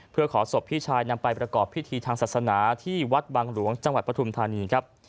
เพื่อขอศพพี่ชายนำไปประกอบพิธีทางศาสนาที่วัดบังหลวงจังหวัดปฐุมธานีครับ